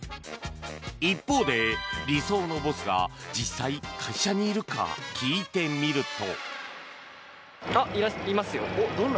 一方で理想のボスが実際、会社にいるか聞いてみると。